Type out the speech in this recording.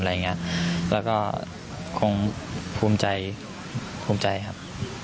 และก็ก็คงภูมิใจครับ